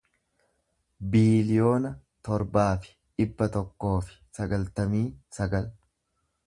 biiliyoona torbaa fi dhibba tokkoo fi sagaltamii sagal